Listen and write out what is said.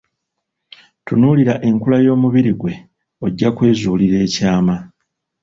Tunuulira enkula y'omubiri gwe ojja kwezuulira ekyama.